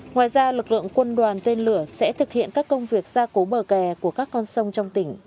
ngoài ra lực lượng quân đoàn tên lửa sẽ thực hiện các công việc ra cố bờ kè của các con sông trong tỉnh